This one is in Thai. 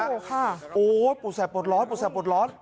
โอ้โฮปวดแสบปวดร้อน